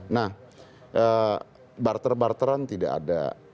nah barter barteran tidak ada